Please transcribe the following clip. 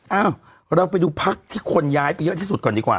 เอ้าเราไปดูพักที่คนย้ายไปเยอะที่สุดก่อนดีกว่า